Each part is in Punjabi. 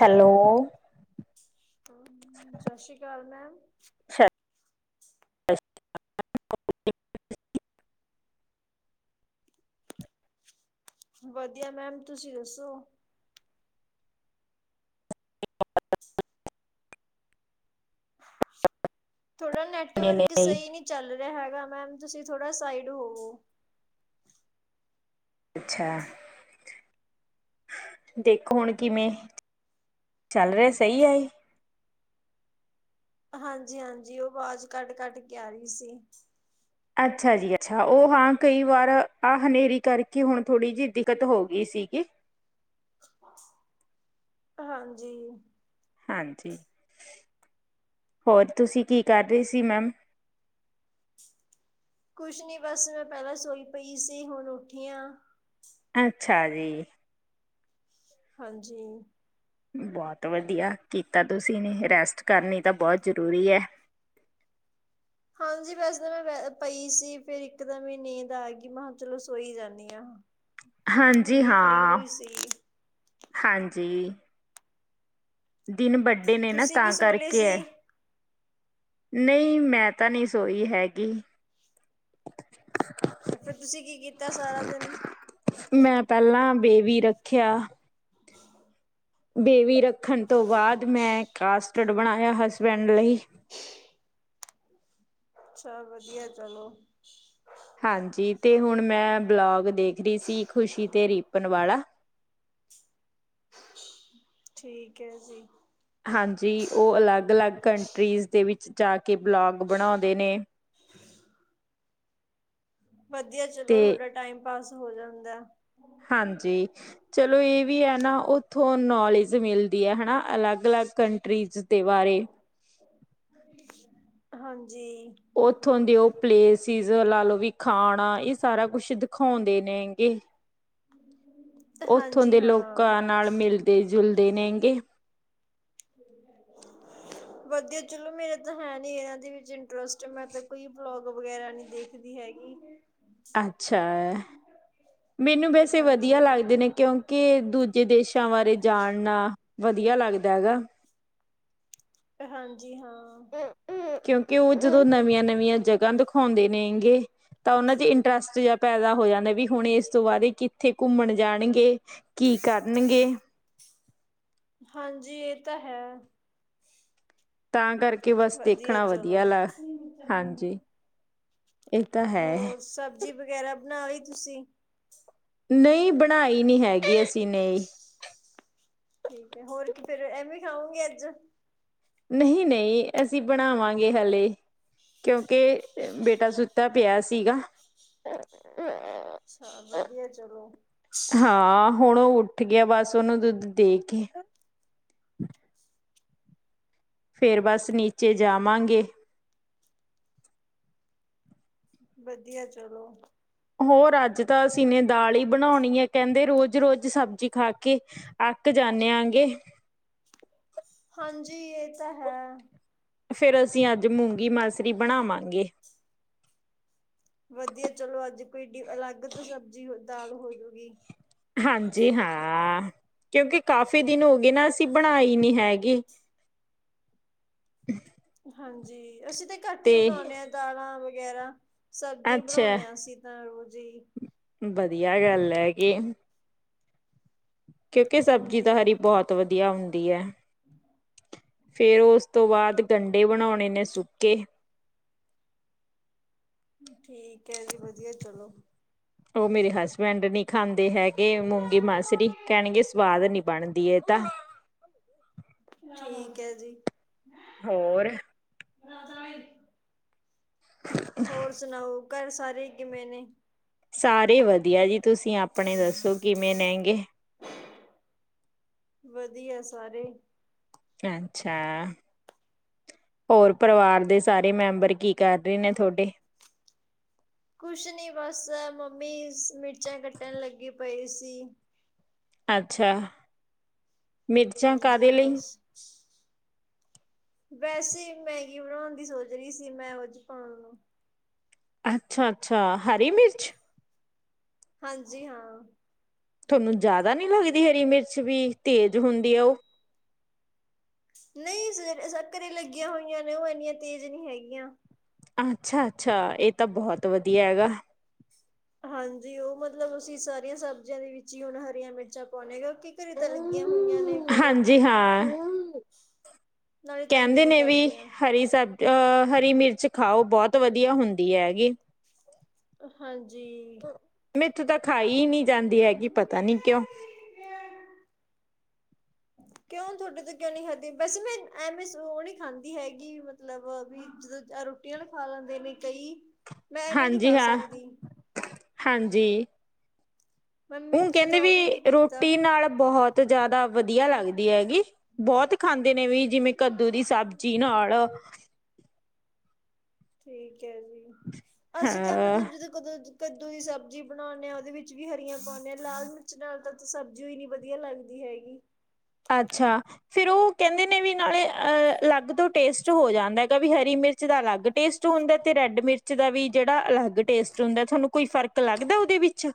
ਹੈਲੋ ਸਤਿ ਸ਼੍ਰੀ [inaudible] [unintelligible] ਵਧੀਆ ਮੈਮ ਤੁਸੀਂ ਦੱਸੋ। ਥੋੜ੍ਹਾ ਨੇ ਨੈਟਵਰਕ ਸਹੀ ਨਹੀਂ ਚੱਲ ਰਿਹਾ ਹੈਗਾ। ਮੈਮ ਤੁਸੀਂ ਥੋੜਾ ਸਾਈਡ ਹੋਵੋ। ਅੱਛਾ ਦੇਖੋ ਹੁਣ ਕਿਵੇਂ, ਚੱਲ ਰਿਹਾ ਸਹੀ ਆ ਇਹ? ਹਾਂਜੀ, ਹਾਂਜੀ ਉਹ ਆਵਾਜ਼ ਕੱਟ- ਕੱਟ ਕੇ ਆ ਰਹੀ ਸੀ। ਅੱਛਾ ਜੀ ਅੱਛਾ ਉਹ ਹਾਂ ਕਈ ਵਾਰ ਆਹ ਹਨੇਰੀ ਕਰਕੇ ਹੁਣ ਥੋੜ੍ਹੀ ਜਿਹੀ ਦਿੱਕਤ ਹੋ ਗਈ ਸੀਗੀ। ਹਾਂਜੀ ਹਾਂਜੀ ਹੋਰ ਤੁਸੀਂ ਕੀ ਕਰ ਰਹੇ ਸੀ ਮੈਮ ਕੁਛ ਨੀ ਬਸ ਮੈਂ ਪਹਿਲਾਂ ਸੋਈ ਪਈ ਸੀ ਹੁਣ ਉੱਠੀਆਂ ਅੱਛਾ ਜੀ ਹਾਂਜੀ ਬਹੁਤ ਵਧੀਆ ਕੀਤਾ ਤੁਸੀਂ ਨੇ ਰੈਸਟ ਕਰਨੀ ਤਾਂ ਬਹੁਤ ਜ਼ਰੂਰੀ ਹੈ ਹਾਂਜੀ ਵੈਸੇ ਤਾਂ ਮੈਂ ਪਈ ਸੀ ਫਿਰ ਇੱਕ ਦਮ ਹੀ ਨੀਂਦ ਆ ਗਈ ਮੈਂ ਕਿਹਾ ਚਲੋ ਸੋਈ ਜਾਂਦੀ ਹਾਂ ਹੁਣ ਹਾਂਜੀ ਵੀ ਫ੍ਰਰੀ ਹਾਂ ਹੋਈ ਸੀ ਹਾਂਜੀ ਦਿਨ ਵੱਡੇ ਨੇ ਨਾ ਤੁਸੀਂ ਵੀ ਤਾਂ ਸੋ ਲਏ ਕਰਕੇ ਸੀ ਐ ਨਹੀਂ ਮੈਂ ਤਾਂ ਨਹੀਂ ਸੋਈ ਹੈਗੀ ਫਿਰ ਤੁਸੀਂ ਕੀ ਕੀਤਾ ਸਾਰਾ ਦਿਨ ਵੀ ਰੱਖਿਆ ਬੇਬੀ ਰੱਖਣ ਤੋਂ ਬਾਅਦ ਮੈਂ ਕਾਸਟਰਡ ਬਣਾਇਆ ਹਸਬੈਂਡ ਲਈ ਅੱਛਾ ਵਧੀਆ ਚਲੋ ਹਾਂਜੀ ਤੇ ਹੁਣ ਮੈਂ ਬਲੋਗ ਦੇਖ ਰਹੀ ਸੀ ਖ਼ੁਸ਼ੀ ਤੇ ਰੀਪਨ ਵਾਲਾ ਠੀਕ ਹੈ ਜੀ ਹਾਂਜੀ ਉਹ ਅਲੱਗ ਅਲੱਗ ਕੰਟਰੀਜ਼ ਦੇ ਵਿੱਚ ਵਿੱਚ ਜਾ ਕੇ ਬਲੋਗ ਬਣਾਉਂਦੇ ਨੇ ਵਧੀਆ ਚਲੋ ਤੇ ਤੁਹਾਡਾ ਟਾਈਮ ਪਾਸ ਹੋ ਜਾਂਦਾ ਹਾਂਜੀ ਚਲੋ ਇਹ ਵੀ ਹੈ ਨਾ ਉੱਥੋਂ ਨੌਲੇਜ ਮਿਲਦੀ ਹੈ ਨਾ ਅਲੱਗ ਅਲੱਗ ਕੰਟਰੀਜ਼ ਦੇ ਬਾਰੇ ਹਾਂਜੀ ਉੱਥੋਂ ਦੇ ਉਹ ਪਲੇਸ ਲਾ ਲਓ ਵੀ ਖਾਣਾ ਇਹ ਸਾਰਾ ਕੁਛ ਦਿਖਾਉਂ ਦੇ ਨੇਗੇ ਉੱਥੋਂ ਹਾਂਜੀ ਦੇ ਲੋਕਾਂ ਹਾਂ ਨਾਲ ਮਿਲਦੇ ਜੁਲਦੇ ਨੇਗੇ ਵਧੀਆ ਚਲੋ ਮੇਰੇ ਤਾਂ ਹੈ ਨੀ ਇਹਨਾਂ ਦੇ ਵਿੱਚ ਇੰਟਰਸਟ ਮੈਂ ਤਾਂ ਕੋਈ ਵਲੋਗ ਵਗੈਰਾ ਨਹੀਂ ਦੇਖਦੀ ਹੈਗੀ ਅੱਛਾ ਮੈਨੂੰ ਵੈਸੇ ਵਧੀਆ ਹਾਂਜੀ ਲੱਗਦੇ ਨੇ ਕਿਉਂਕਿ ਦੂਜ ਜੇ ਦੇਸ਼ਾਂ ਬਾਰੇ ਜਾਣਨਾ ਵਧੀਆ ਲੱਗਦਾ ਹੈਗਾ ਹਾਂਜੀ ਹਾਂ ਕਿਉਂਕਿ ਉਹ ਜਦੋਂ ਨਵੀਆਂ ਨਵੀਆਂ ਜਗ੍ਹਾ ਦਿਖਾਉਂਦੇ ਨੇਗੇ ਤਾਂ ਉਹਨਾਂ ਚ ਇੰਟਰਸਟ ਜਿਹਾ ਪੈਦਾ ਹੋ ਜਾਂਦਾ ਵੀ ਹੁਣ ਇਸ ਤੋਂ ਬਾਅਦ ਇਹ ਕਿੱਥੇ ਘੁੰਮਣ ਜਾਣਗੇ ਕੀ ਕਰਨਗੇ ਹਾਂਜੀ ਇਹ ਤਾਂ ਹੈ ਤਾਂ ਕਰਕੇ ਬਸ ਵਧੀਆ ਦੇਖਣਾ ਚਲੋ ਲ ਹਾਂਜੀ ਇਹ ਤਾਂ ਹੈ ਹੋਰ ਸਬਜ਼ੀ ਵਗੈਰਾ ਬਣਾ ਲਈ ਤੁਸੀਂ ਨਹੀਂ ਬਣਾਈ ਨੀ ਹੈਗੀ ਅਸੀਂ ਨੇ ਠੀਕ ਹੈ ਹੋਰ ਕੀ ਫੇਰ ਐਵੇਂ ਖਾਂਗਓਗੇ ਅੱਜ, ਨਹੀਂ ਨਹੀਂ ਅਸੀਂ ਬਣਾਵਾਂਗੇ ਹਲੇੇ ਕਿਉਂਕਿ ਬੇਟਾ ਸੁਤਾ ਪਿਆ ਸੀਗਾ। ਅੱਛਾ ਵਧੀਆ ਚਲੋ, ਹਾਂ ਹੁਣ ਉਹ ਉੱਠ ਗਿਆ ਬਸ ਉਹਨੂੰ ਦੁੱਧ ਦੇ ਕੇ,, ਫਿਰ ਬਸ ਨੀਚੇ ਜਾਵਾਂਗੇ। ਵਧੀਆ ਚਲੋ, ਹੋਰ ਅੱਜ ਤਾਂ ਅਸੀਂ ਨੇ ਦਾਲ ਹੀ ਬਣਾਉਣੀ ਹੈ ਕਹਿੰਦੇ ਰੋਜ਼ ਰੋਜ਼ ਸਬਜ਼ੀ ਖਾ ਕੇ ਅੱਕ ਜਾਨੇ ਆਂ ਗੇ। ਹਾਂਜੀ ਇਹ ਤਾਂ ਹੈ। ਫਿਰ ਅਸੀਂ ਅੱਜ ਮੂੰਗੀ ਮਰਸਰੀ ਬਣਾਵਾਂਗੇ। ਵਧੀਆ ਚਲੋ ਅੱਜ ਕੋਈ, ਅਲੱਗ ਤੋਂ ਸਬਜ਼ੀ ਹੋ ਦਾਲ ਹੋਜੂਗੀ। ਹਾਂਜੀ ਹਾਂ ਕਿਉਂਕਿ ਕਾਫੀ ਦਿਨ ਹੋ ਗਏ ਨਾ ਅਸੀਂ ਬਣਾਈ ਨਹੀਂ ਹੈਗੀ। ਹੂੰ, ਹਾਂਜੀ, ਅਸੀਂ ਤੇ ਘੱਟ ਹੀ ਬਣਾਉਦੇ ਹਾਂ ਦਾਲਾਂ, ਵਗੈਰਾ ਸਬਜ਼ੀ ਅੱਛਾ ਬਣਾਉਣੇ ਅਸੀ ਤਾਂ ਰੋਜ਼ ਜੀ, ਵਧੀਆ ਗੱਲ ਐ ਗੀ, ਕਿਉਂਕਿ ਸਬਜ਼ੀ ਦਾ ਹਰੀ ਬਹੁਤ ਵਧੀਆ ਹੁੰਦੀ ਦੀਆ ਹੂੰ, ਫੇਰ ਉਸ ਤੋਂ ਬਾਅਦ ਗੰਢੇ ਬਣਾਉਣੇ ਨੇ ਸੁੱਕੇ ਠੀਕ ਹੈ ਜੀ ਵਧੀਆ ਚਲੋ। ਉਹ ਮੇਰੇ ਹਸਬੈਂਡ ਨੀ ਖਾਂਦੇ ਹੈਗੇ ਮੂੰਗੀ ਮਾਸਰੀ ਕਹਿਣਗੇ ਸਵਾਦ ਨੀ ਬਣਦੀ ਤਾਂ ਠੀਕ ਹੈ ਜੀ, ਹੋਰ [inaudible] ਹੋਰ ਸੁਣਾਓ ਘਰ ਸਾਰੇ ਕਿਵੇਂ ਨੇ? ਸਾਰੇ ਵਧੀਆ ਜੀ, ਤੁਸੀਂ ਆਪਣੇ ਦੱਸੋ ਕਿਵੇਂ ਨੇ? ਵਧੀਆ ਸਾਰੇ, ਅੱਛਾ ਹੋਰ ਪਰਿਵਾਰ ਦੇ ਸਾਰੇ ਮੈਂਬਰ ਕੀ ਕਰ ਰਹੇ ਨੇ ਤੁਹਾਡੇ ਕੁਛ ਨੀ ਬਸ ਮੰਮੀ ਮਿਰਚਾਂ ਕੱਟਣ ਲੱਗੀ ਪਈ ਸੀ। ਅੱਛਾ, ਮਿਰਚਾਂ ਹਾਂਜੀ ਕਾਹਦੇ ਲਈ? ਬਸ। ਵੈਸੇ ਮੈਗੀ ਬਣਾਉਣ ਦੀ ਸੋਚ ਰਹੀ ਸੀ ਮੈਂ ਔਚ ਪਾਣ ਨੂੰ ਅੱਛਾ-ਅੱਛਾ, ਹਰੀ ਮਿਰਚ? ਹਾਂਜੀ ਹਾਂ ਤੁਹਾਨੂੰ ਜ਼ਿਆਦਾ ਨਹੀਂ ਲੱਗਦੀ ਹਰੀ ਮਿਰਚ ਵੀ ਤੇਜ਼ ਹੁੰਦੀ ਆ ਉਹ ਨਹੀਂ ਘਰੇ ਲੱਗੀਆਂ ਹੋਈਆਂ ਨੇ ਉਹ ਇੰਨੀਆਂ ਤੇਜ਼ ਨਹੀਂ ਹੈਗੀਆਂ ਅੱਛਾ ਅੱਛਾ ਇਹ ਤਾਂ ਬਹੁਤ ਵਧੀਆ ਹੈਗਾ ਹਾਂਜੀ ਉਹ ਮਤਲਬ ਅਸੀਂ ਸਾਰੀਆਂ ਸਬਜ਼ੀਆਂ ਦੇ ਵਿੱਚ ਹੀ ਹੁਣ ਹਰੀਆਂ ਮਿਰਚਾਂ ਪਾਉਣੇ ਹੇਗੇ ਹਾਂਜੀ ਹਾਂ ਨਾਲੇ ਤੰਗ ਕਹਿੰਦੇ ਨਹੀਂ ਨੇ ਵੀ ਕਰਦੀਆਂ ਹਰੀ ਸਬ ਅਹ ਹਰੀ ਮਿਰਚ ਖਾਓ ਬਹੁਤ ਵਧੀਆ ਹੁੰਦੀ ਹੈਗੀ ਹਾਂਜੀ ਮੈਂ ਉੱਥੇ ਤਾਂ ਖਾਈ ਹੀ ਨੀ ਜਾਂਦੀ ਹੈਗੀ ਪਤਾ ਨੀ ਕਿਉਂ ਕਿਉਂ ਤੁਹਾਡੇ ਤੋਂ ਕਿਉਂ ਨਹੀਂ ਖਾਧੀ ਵੈਸੇ ਮੈਂ ਐਵੇਂ ਉਹ ਨਹੀਂ ਖਾਂਦੀ ਹੈਗੀ ਮਤਲਬ ਵੀ ਜਦੋਂ ਰੋਟੀਆਂ ਖਾ ਲੈਂਦੇ ਨੇ ਕਈ ਮੈਂ ਐਵੇਂ ਨਹੀਂ ਹਾਂਜੀ ਖਾ ਹਾਂ ਸਕਦੀ ਹਾਂਜੀ ਮੈਂ ਉਹ ਮਿਰਚ ਕਹਿੰਦੇ ਦਾ ਵੀ ਨਹੀਂ ਕੀਤਾ ਰੋਟੀ ਨਾਲ ਬਹੁਤ ਜ਼ਿਆਦਾ ਵਧੀਆ ਲੱਗਦੀ ਹੈਗੀ ਬਹੁਤ ਖਾਂਦੀ ਕਦੇ ਨੇ ਵੀ ਜਿਵੇਂ ਕੱਦੂ ਦੀ ਸਬਜ਼ੀ ਨਾਲ ਠੀਕ ਅਸੀਂ ਤਾਂ ਹਾਂ ਮਤਲਬ ਜਦੋਂ ਕਦੋਂ ਕੱਦੂ ਦੀ ਸਬਜ਼ੀ ਬਣਾਉਂਦੇ ਹਾਂ ਉਹਦੇ ਵਿੱਚ ਵੀ ਹਰੀਆਂ ਪਾਉਂਦੇ ਹਾਂ ਲਾਲ ਮਿਰਚ ਨਾਲ ਤਾਂ ਸਬਜ਼ੀ ਈ ਨੀ ਵਧੀਆ ਲੱਗਦੀ ਹੈਗੀ ਅੱਛਾ ਫਿਰ ਉਹ ਕਹਿੰਦੇ ਨੇ ਵੀ ਨਾਲੇ ਅਲੱਗ ਤੋਂ ਟੇਸਟ ਹੋ ਜਾਂਦਾ ਹੈਗਾ ਵੀ ਹਰੀ ਮਿਰਚ ਦਾ ਅਲੱਗ ਟੇਸਟ ਹੁੰਦਾ ਤੇ ਰੈਡ ਮਿਰਚ ਦਾ ਵੀ ਜਿਹੜਾ ਅਲੱਗ ਟੇਸਟ ਹੁੰਦਾ ਤੁਹਾਨੂੰ ਕੋਈ ਫ਼ਰਕ ਲੱਗਦਾ ਉਹਦੇ ਵਿੱਚ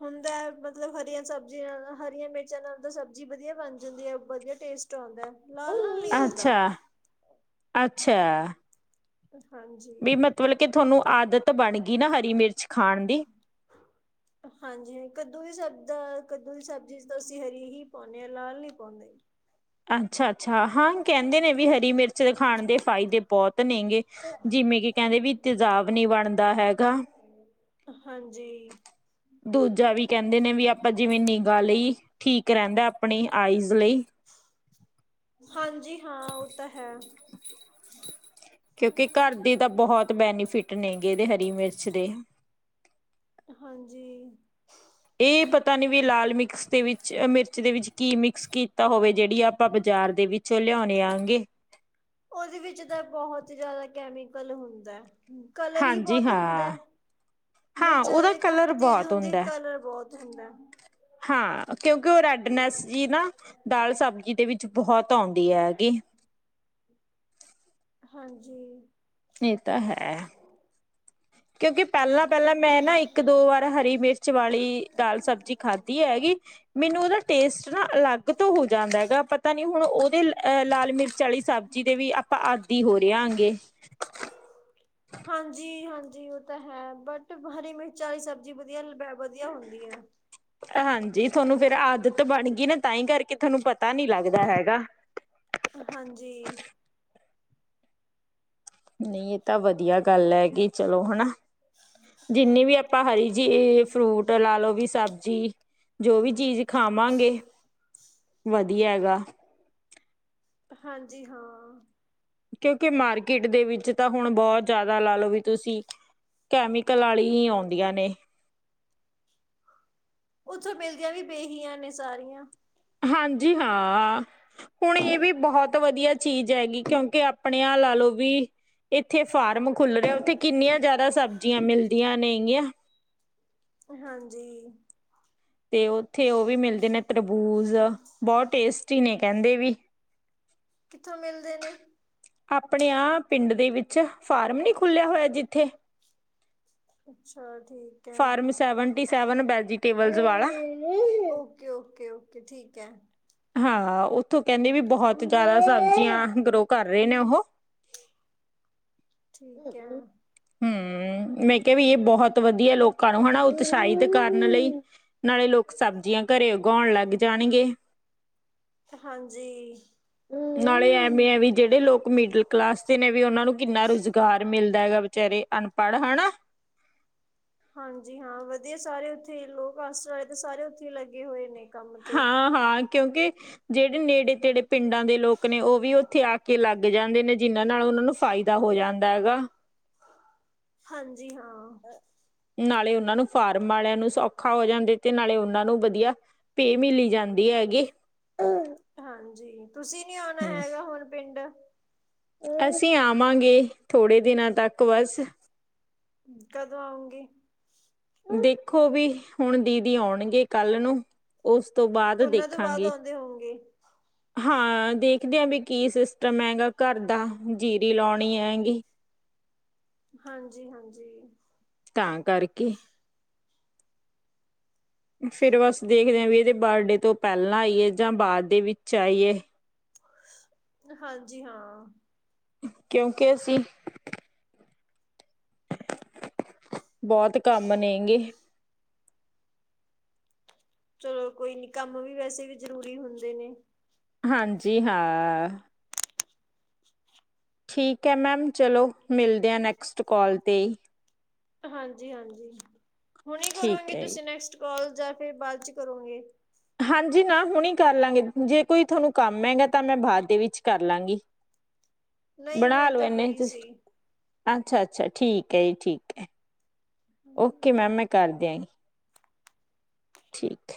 ਹੁੰਦਾ ਮਤਲਬ ਹਰੀਆਂ ਸਬਜ਼ੀਆਂ ਨਾਲ ਹਰੀਆਂ ਮਿਰਚਾਂ ਨਾਲ ਤਾਂ ਸਬਜ਼ੀ ਵਧੀਆ ਬਣ ਜਾਂਦੀ ਹੈ ਵਧੀਆ ਟੇਸਟ ਆਉਂਦਾ ਲਾਲ ਨਹੀਂ ਆਉਂਦਾ ਅੱਛਾ ਅੱਛਾ ਹਾਂਜੀ। ਵੀ ਮਤਲਬ ਕਿ ਤੁਹਾਨੂੰ ਆਦਤ ਬਣ ਗਈ ਨਾ ਹਰੀ ਮਿਰਚ ਖਾਣ ਦੀ। ਹਾਂਜੀ ਕੱਦੋਂ ਵੀ ਸਬਜ਼ੀ ਕੱਦੂ ਦੀ ਸਬਜ਼ੀ ਚ ਤਾਂ ਅਸੀਂ ਹਰੀ ਹੀ ਪਾਉਂਦੇ ਹਾਂ ਲਾਲ ਨਹੀਂ ਪਾਉਂਦੇ ਅੱਛਾ ਅੱਛਾ ਹਾਂ ਕਹਿੰਦੇ ਨੇ ਵੀ ਹਰੀ ਮਿਰਚ ਖਾਣ ਦੇ ਫਾਇਦੇ ਬਹੁਤ ਨੇ ਗੇ ਜਿਵੇਂ ਕਿ ਕਹਿੰਦੇ ਵੀ ਤੇਜਾਬ ਨੀ ਬਣਦਾ ਹੈਗਾ ਹਾਂਜੀ ਦੂਜਾ ਵੀ ਕਹਿੰਦੇ ਨੇ ਵੀ ਆਪਾਂ ਜਿਵੇਂ ਨਿਗਾ ਲਈ ਠੀਕ ਰਹਿੰਦਾ ਆਪਣੀ ਆਈਜ਼ ਬ ਲਈ [unintelligible] ਹਾਂਜੀ ਹਾਂ ਉਹ ਤਾਂ ਹੈ ਕਿਉਂਕਿ ਘਰ ਦੀ ਤਾਂ ਬਹੁਤ ਬੈਨੀਫਿਟ ਟ ਨਗੇ ਦੇ ਹਰੀ ਮਿਰਚ ਦੇ ਹਾਂਜੀ ਇਹ ਪਤਾ ਨੀ ਵੀ ਲਾਲ ਮਿਕਸ ਦੇ ਵਿੱਚ ਮਿਰਚ ਦੇ ਵਿੱਚ ਕੀ ਮਿਕਸ ਕੀਤਾ ਹੋਵੇ ਜਿਹੜੀ ਆਪਾਂ ਬਾਜ਼ਾਰ ਦੇ ਵਿੱਚ ਲਿਆਉਣੇ ਹੇਗੇ ਉਹਦੇ ਵਿੱਚ ਤਾਂ ਬਹੁਤ ਜਿਆਦਾ ਕੈਮੀਕਲ ਹੁੰਦਾ ਕਲਰ ਹੀ ਹਾਂਜੀ ਬਹੁਤ ਹੁੰਦਾ ਹਾਂ। ਹਾਂ ਮਿਰਚ ਉਹਦਾ ਹਜੇ ਘੱਟ ਕਲਰ ਤੇਜ਼ ਬਹੁਤ ਹੁੰਦੀ ਹੁੰਦਾ ਹੈ ਕਲਰ ਬਹੁਤ ਹੁੰਦਾ ਹੈ ਹਾਂ ਕਿਉਂਕਿ ਉਹ ਰੈਡਨੈਸ ਜੀ ਨਾ ਦਾਲ ਸਬਜ਼ੀ ਦੇ ਵਿੱਚ ਬਹੁਤ ਆਉਂਦੀ ਹੈ ਹੈਗੀ ਹਾਂਜੀ ਇਹ ਤਾਂ ਹੈ ਕਿਉਂਕਿ ਪਹਿਲਾਂ ਪਹਿਲਾਂ ਮੈਂ ਨਾ ਇੱਕ ਦੋ ਵਾਰ ਹਰੀ ਮਿਰਚ ਵਾਲੀ ਦਾਲ ਸਬਜ਼ੀ ਖਾਧੀ ਹੈਗੀ ਮੈਨੂੰ ਉਹਦਾ ਟੇਸਟ ਨਾ ਅਲੱਗ ਤੋਂ ਹੋ ਜਾਂਦਾ ਹੈਗਾ ਪਤਾ ਨੀ ਹੁਣ ਉਹਦੇ ਅਹ ਲਾਲ ਮਿਰਚ ਵਾਲੀ ਸਬਜ਼ੀ ਦੇ ਵੀ ਆਪਾਂ ਆਦਿ ਹੋ ਰਹੇ ਆ ਗਏ ਜੀ ਉਹ ਤਾਂ ਹੈ, ਬਟ ਹਰੀ ਮਿਰਚ ਵਾਲੀ ਸਬਜ਼ੀ ਵਧੀਆ ਵਧੀਆ ਹੁੰਦੀ ਐ ਹਾਂਜੀ ਤੁਹਾਨੂੰ ਫੇਰ ਆਦਤ ਬਣ ਗਈ ਨਾ ਤਾਂ ਹੀ ਕਰਕੇ ਤੁਹਾਨੂੰ ਪਤਾ ਨਹੀਂ ਲੱਗਦਾ ਹੈਗਾ ਹਾਂਜੀ ਨਹੀਂ ਇਹ ਤਾਂ ਵਧੀਆ ਗੱਲ ਹੈਗੀ ਚਲੋ ਹਨਾ ਜਿੰਨੀ ਵੀ ਆਪਾਂ ਹਰੀ ਜੇ ਫਰੂਟ ਲਾ ਲਓ ਵੀ ਸਬਜ਼ੀ ਜੋ ਵੀ ਚੀਜ਼ ਖਾਵਾਂਗੇ ਵਧੀਆ ਗਾ ਹਾਂਜੀ ਹਾਂ ਕਿਉਂਕਿ ਮਾਰਕੀਟ ਦੇ ਵਿੱਚ ਤਾਂ ਹੁਣ ਬਹੁਤ ਜ਼ਿਆਦਾ ਲਾ ਲਓ ਵੀ ਤੁਸੀਂ ਕੈਮੀਕਲ ਆਲੀ ਹੀ ਆਉਂਦੀਆਂ ਨੇ ਉੱਥੋਂ ਮਿਲਦੀਆਂ ਵੀ ਬੇਹੀਆਂ ਨੇ ਸਾਰੀਆਂ ਹਾਂਜੀ ਹਾਂ ਹੁਣ ਇਹ ਵੀ ਬਹੁਤ ਵਧੀਆ ਚੀਜ਼ ਹੈਗੀ ਕਿਉਂਕਿ ਆਪਣੇ ਆਪ ਲਾ ਲਓ ਵੀ ਇੱਥੇ ਫਾਰਮ ਖੁੱਲ ਰਿਹਾ ਉੱਥੇ ਕਿੰਨੀਆਂ ਜ਼ਿਆਦਾ ਸਬਜ਼ੀਆਂ ਮਿਲਦੀਆਂ ਨੇਗੀਆਂ ਹਾਂਜੀ ਤੇ ਉੱਥੇ ਉਹ ਵੀ ਮਿਲਦੇ ਨੇ ਤਰਬੂਜ਼ ਬਹੁਤ ਟੇਸਟੀ ਨੇ ਕਹਿੰਦੇ ਵੀ ਕਿੱਥੋਂ ਮਿਲਦੇ ਨੇ ਆਪਣੇ ਆ ਪਿੰਡ ਦੇ ਵਿੱਚ ਫਾਰਮ ਨੀ ਖੁੱਲਿਆ ਹੋਇਆ ਜਿੱਥੇ ਅੱਛਾ ਠੀਕ ਹੈ form seven seven T vegetable ਵਾਲਾ ਓਕੇ ਓਕੇ ਓਕੇ ਠੀਕ ਹੈ ਹਾਂ ਉੱਥੋਂ ਕਹਿੰਦੇ ਵੀ ਬਹੁਤ ਜਿਆਦਾ ਸਬਜ਼ੀਆਂ ਗਰੋ ਕਰ ਰਹੇ ਨੇ ਉਹ ਠੀਕ ਹੈ ਹੂੰ ਮੈਂ ਕਿਹਾ ਵੀ ਇਹ ਬਹੁਤ ਵਧੀਆ ਲੋਕਾਂ ਨੂੰ ਹਨਾ ਉਤਸ਼ਾਹਿਤ ਕਰਨ ਲਈ ਨਾਲੇ ਲੋਕ ਸਬਜ਼ੀਆਂ ਘਰੇ ਉਗਾਉਣ ਲੱਗ ਜਾਣਗੇ ਹਾਂਜੀ ਨਾਲੇ ਐਵੇਂ ਹੈ ਵੀ ਜਿਹੜੇ ਲੋਕ ਮਿਡਲ ਕਲਾਸ ਦੇ ਨੇ ਵੀ ਉਹਨਾਂ ਨੂੰ ਕਿੰਨਾ ਰੁਜ਼ ਗਾਰ ਮਿਲਦਾ ਹੈਗਾ ਬਚਾਰੇ ਅਨਪੜ੍ਹ ਹੈਾ ਹਾਂਜੀ ਹਾਂ ਵਧੀਆ ਸਾਰੇ ਉੱਥੇ ਲੋਕ [unintelligible] ਵਾਲੇ ਤੇ ਸਾਰੇ ਉੱਥੇ ਲੱਗੇ ਹੋਏ ਨੇ ਕੰਮ ਤੇ ਹਾਂ-ਹਾਂ ਕਿਉਂਕਿ ਜਿਹੜੇ ਨੇੜੇ ਤੇੜੇ ਪਿੰਡਾਂ ਦੇ ਲੋਕ ਨੇ ਉਹ ਵੀ ਉੱਥੇ ਆ ਕੇ ਲੱਗ ਜਾਂਦੇ ਨੇ ਜਿਹਨਾਂ ਨਾਲ ਉਹਨਾਂ ਨੂੰ ਫਾਇਦਾ ਹੋ ਜਾਂਦਾ ਹੈਗਾ ਹਾਂਜੀ ਜੀ ਹਾਂ ਨਾਲੇ ਉਹਨਾਂ ਨੂੰ ਫਾਰਮ ਵਾਲਿਆਂ ਨੂੰ ਸੌਖਾ ਹੋ ਜਾਂਦਾ ਤੇ ਨਾਲੇ ਉਹਨਾਂ ਨੂੰ ਵਧੀਆ ਪੇਅ ਮਿਲੀ ਜਾਂਦੀ ਐ ਗੀ। ਹਾਂਜੀ, ਤੁਸੀਂ ਨੀ ਆਉਣਾ ਹੈਗਾ ਹੁਣ ਪਿੰਡ ਅਸੀਂ ਆਵਾਂਗੇ ਥੋੜੇ ਦਿਨਾਂ ਤੱਕ ਬਸ ਕਦੋਂ ਆਉਂਗੇ, ਦੇਖੋ ਵੀ ਹੁਣ ਦੀਦੀ ਆਉਣਗੇ ਕੱਲ ਨੂੰ ਉਸ ਉਸ ਤੋਂ ਬਾਅਦ ਉਹਨਾਂ ਤੋਂ ਬਾਅਦ ਦੇਖਾਂਗੇ ਆਉਂਦੇ ਹੋਂਗੇ ਹਾਂ ਦੇਖ ਦੇਖਦੇ ਆ ਵੀ ਕੀ ਸਿਸਟਮ ਐ ਗਾ ਘਰ ਦਾ ਜੀਰੀ ਲਾਉਣੀ ਐ ਗੀ, ਹਾਂਜੀ-ਹਾਂਜੀ, ਤਾਂ ਕਰਕੇ ਫਿਰ ਬਸ ਦੇਖਦੇ ਆ ਵੀ ਇਹਦੇ ਬਰਡੇ ਤੋਂ ਪਹਿਲਾਂ ਆਈਏ ਜਾਂ ਬਾਅਦ ਦੇ ਵਿੱਚ ਆਈਏ। ਹਾਂਜੀ ਹਾਂ, ਕਿਉਂਕਿ ਅਸੀਂ, ਬਹੁਤ ਕੰਮ ਨੇ ਗੇ, ਚਲੋ ਕੋਈ ਨੀ ਕੰਮ ਵੀ ਵੈਸੇ ਵੀ ਜ਼ਰੂਰੀ ਹੁੰਦੇ ਨੇ, ਹਾਂਜੀ ਹਾਂ, ਠੀਕ ਹੈ, ਮੈਮ ਚਲੋ ਮਿਲਦਿਆਂ ਨੈਕਸਟ ਕਾਲ ਤੇ ਈ, ਹਾਂਜੀ-ਹਾਂਜੀ, ਹੁਣ ਠੀਕ ਕਰੋਗੇ ਹੈ ਜੀ ਤੁਸੀਂ ਨੈਕਸਟ ਕਾਲ ਜਾਂ ਫਿਰ ਬਾਅਦ ਚ ਕਰੋਂਗੇ। ਹਾਂਜੀ ਨਾ ਹੁਣ ਹੀ ਕਰ ਲਾਂਗੇ ਜੇ ਕੋਈ ਤੁਹਾਨੂੰ ਕੰਮ ਹੈਗਾ ਤਾਂ ਮੈਂ ਬਾਅਦ ਦੇ ਵਿੱਚ ਕਰ ਲਾਂਗੀ। ਨਹੀਂ ਮੈਂ ਤਾ ਫਰੀ ਸੀ। ਅੱਛਾ-ਅੱਛਾ ਠੀਕ ਹੈ, ਜੀ ਠੀਕ ਹੈ। ਹਾਂਜੀ ਓਕੇ ਮੈਮ ਮੈਂ ਕਰਦੀ, [unintelligible] ਠੀਕ,